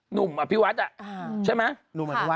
หนุ่มอภิวัฒน์ใช่ไหม